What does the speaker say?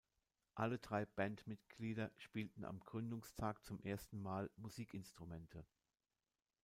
Alle drei Bandmitglieder spielten am Gründungstag zum ersten Mal Musikinstrumente.